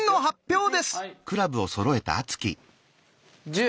１０。